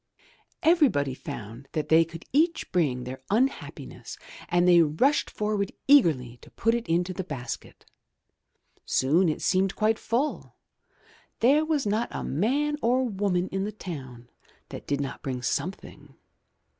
Everybody found that they could each bring their unhappi ness and they rushed forward eagerly to put it into the basket. Soon it seemed quite full. There was not a man or woman in the town that did not bring something.